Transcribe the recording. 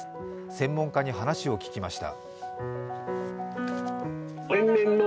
専門家に話を聞きました。